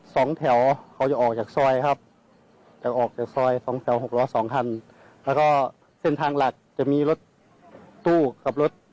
สอนอร์รถจอดอยู่ที่สอนอร์อยู่ครับ